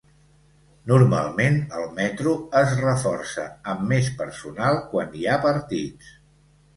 Normalment el metro es reforça amb més personal quan hi ha partits.